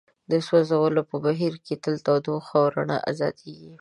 د سوځولو په بهیر کې تل تودوخه او رڼا ازادیږي.